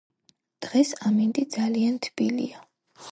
დღეს ამინდი ძალიან თბილია.